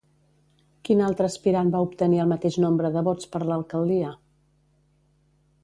Quin altre aspirant va obtenir el mateix nombre de vots per l'alcaldia?